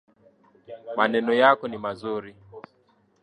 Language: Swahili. Maneno yako ni mazuri